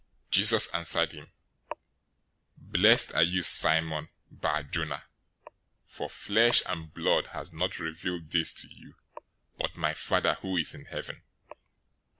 016:017 Jesus answered him, "Blessed are you, Simon Bar Jonah, for flesh and blood has not revealed this to you, but my Father who is in heaven.